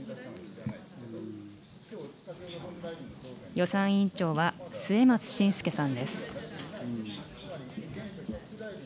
予算委員長は末松信介さんです。